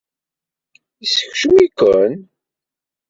Yeskcem-iken?